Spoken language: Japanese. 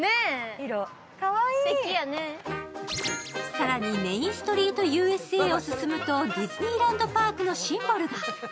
更にメインストリートＵＳＡを進むとディズニーランド・パークのシンボルが。